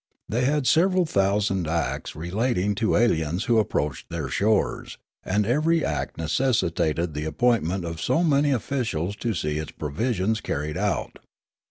They had several thousand acts re lating to aliens who approached their shores, and every act had necessitated the appointment of so many officials to see its provisions carried out.